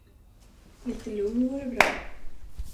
Lite lugn vore bra.